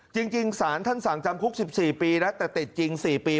จริงสารท่านสั่งจำคุก๑๔ปีนะแต่ติดจริง๔ปี